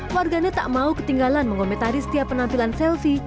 warganya tak mau ketinggalan mengomentari setiap penampilan sylvie